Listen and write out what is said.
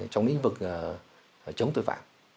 trong lĩnh vực chống tội phạm